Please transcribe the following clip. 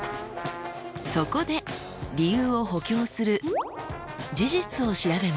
そこで理由を補強する「事実」を調べます。